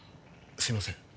すいません